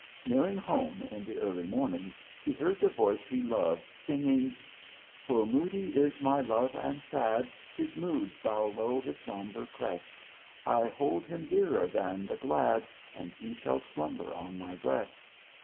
Nearing home in the early morning he heard the voice he loved, singing " Full moody is my love and sad, His moodsbowlowhis sombre crest,. I hold him dearer than the glad, And he shall slumber on my breast.